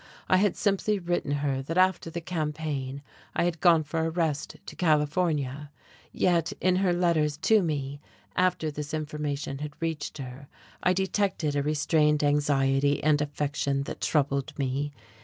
I had simply written her that after the campaign I had gone for a rest to California; yet in her letters to me, after this information had reached her, I detected a restrained anxiety and affection that troubled me.